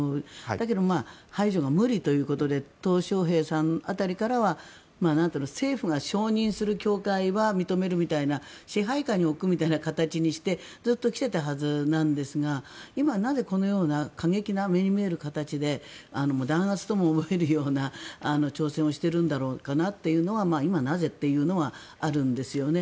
だけど、排除が無理ということでトウ・ショウヘイさん辺りからは政府が承認する教会は認めるみたいな支配下に置くみたいな形にしてずっと来ていたはずですが今、なぜこのような過激な目に見える形で弾圧とも思えるような挑戦をしているんだろうかなっていうのは今、なぜというのはあるんですよね。